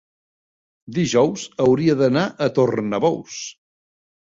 dijous hauria d'anar a Tornabous.